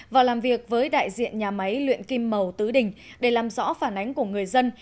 và làm việc với đại diện nhà máy luyện kim màu tứ đình để làm rõ phản ánh của người dân